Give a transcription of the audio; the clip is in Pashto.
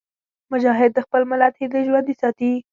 مجاهد د خپل ملت هیلې ژوندي ساتي.